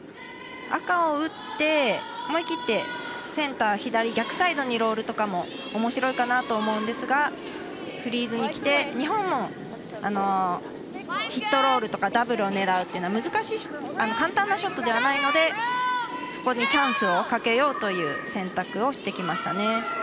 赤を打って思い切ってセンター左、逆サイドにロールとかもおもしろいかなと思うんですがフリーズにきて日本もヒットロールとかダブルを狙うというのは簡単なショットではないのでそこにチャンスをかけようという選択をしてきましたね。